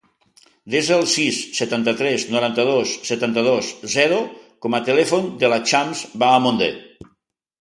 Desa el sis, setanta-tres, noranta-dos, setanta-dos, zero com a telèfon de la Chams Bahamonde.